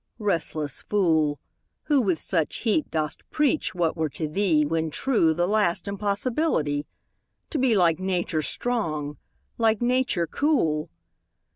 Restless fool, Who with such heat dost preach what were to thee, When true, the last impossibility To be like Nature strong, like Nature cool!